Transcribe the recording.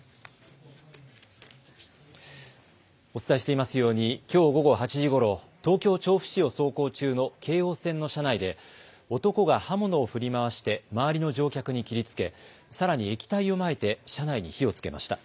お伝えしていますようにきょう午後８時ごろ東京調布市を走行中の京王線の車内で男が刃物を振り回して周りの乗客に切りつけ、さらに液体をまいて車内に火をつけました。